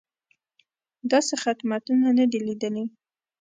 داسې خدمتونه نه دي لیدلي.